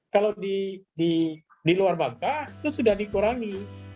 kalau di luar bangka itu sudah dikurangi